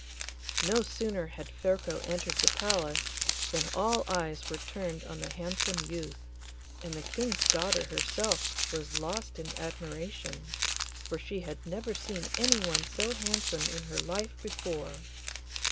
No sooner had Ferko entered the palace than all eyes were turned on the handsome youth, and the King's daughter herself was lost in admiration, for she had never seen anyone so handsome in her life before.